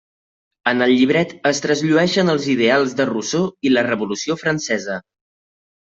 En el llibret es trasllueixen els ideals de Rousseau i la Revolució Francesa.